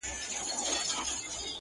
زما څخه مه غواړه غزل د پسرلي د نسیم!!